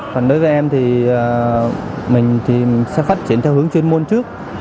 còn đối với em thì mình sẽ phát triển theo hướng chuyên môn trước